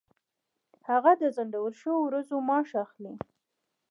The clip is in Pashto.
هغه د ځنډول شوو ورځو معاش اخلي.